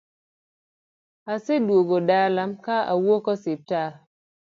Aseduogo dala ka awuok osiptal